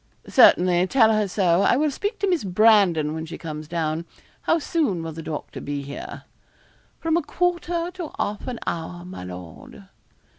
'Certainly; tell her so. I will speak to Miss Brandon when she comes down. How soon will the doctor be here?' 'From a quarter to half an hour, my lord.'